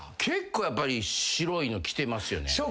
結構やっぱり白いのきてますよね。